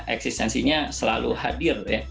eksistensinya selalu hadir ya